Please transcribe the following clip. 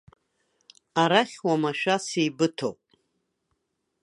Арахь уамашәа сеибыҭоуп.